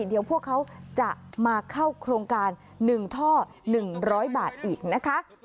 เดี๋ยวพวกเขาจะมาเข้าโครงการ๑ท่อ๑๐๐บาทอีกนะคะ